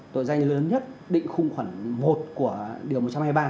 tội gian lớn nhất định khung khoản một của điều một trăm hai mươi ba